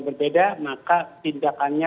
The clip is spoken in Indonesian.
berbeda maka tindakannya